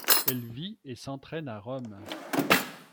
Elle vit et s'entraîne à Rome.